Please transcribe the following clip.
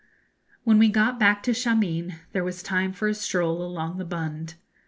When we got back to Shameen there was time for a stroll along the Bund.